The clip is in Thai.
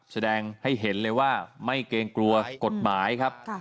แสดงให้เห็นเลยว่าไม่เกรงกลัวกฎหมายครับ